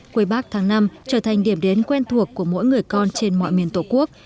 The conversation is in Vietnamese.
quầy bác tháng năm trở thành điểm đến quen thuộc của mỗi người con trên mọi miền tổ quốc